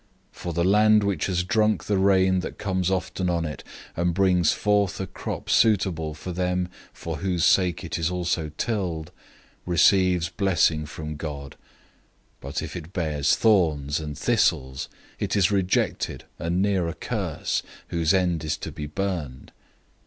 006:007 For the land which has drunk the rain that comes often on it, and brings forth a crop suitable for them for whose sake it is also tilled, receives blessing from God; 006:008 but if it bears thorns and thistles, it is rejected and near being cursed, whose end is to be burned.